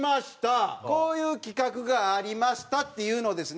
こういう企画がありましたっていうのをですね